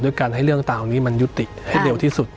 การให้เรื่องต่างนี้มันยุติให้เร็วที่สุด